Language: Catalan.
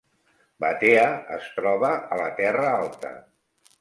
Batea es troba a la Terra Alta